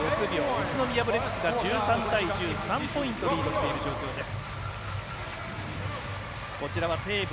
宇都宮ブレックスが１３対１０３ポイントリードしている状況です。